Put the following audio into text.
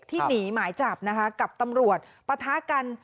ที่หนีหมายจับกับตำรวจปะทากัน